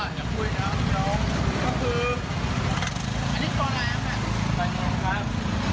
นี่คืออันนี้คนอะไรครับ